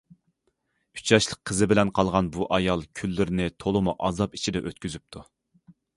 ئۈچ ياشلىق قىزى بىلەن قالغان بۇ ئايال كۈنلىرىنى تولىمۇ ئازاب ئىچىدە ئۆتكۈزۈپتۇ.